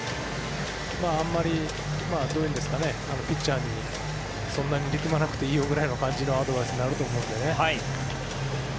あまりピッチャーにそんなに力まなくていいよくらいの感じのアドバイスになると思うのでね。